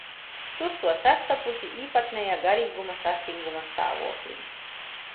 Tur to sastapusi īpatnēja garīga sastinguma stāvoklī.